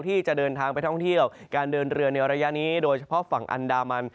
ที่จะเดินทางไปท่องเที่ยวการเดินเรือในระยะนี้โดยเฉพาะฝั่งอันดามัน